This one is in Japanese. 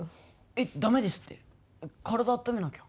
えっ、駄目ですって体あっためなきゃ。